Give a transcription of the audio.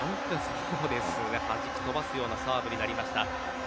弾き飛ばすようなサーブになりました。